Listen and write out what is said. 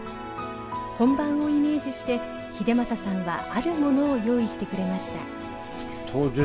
本番をイメージして英政さんはあるものを用意してくれました。